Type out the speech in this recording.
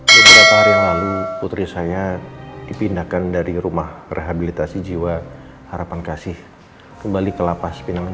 beberapa hari lalu putri saya dipindahkan dari rumah rehabilitasi jiwa harapan kasih kembali ke lapas pinang